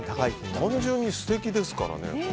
単純に素敵ですからね。